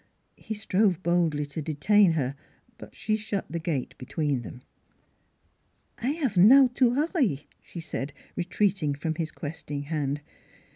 He strove boldly to detain her; but she shut the gate between them. " I 'ave now to 'urry," she said, retreating from his questing hand.